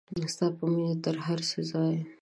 ستا په مینه تر هر ځایه.